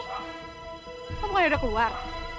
kok bukan ada yang udah keluar